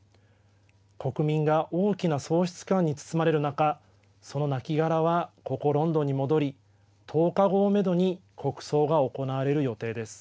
国民が大きな喪失感に包まれる中、そのなきがらはここ、ロンドンに戻り、１０日後をメドに国葬が行われる予定です。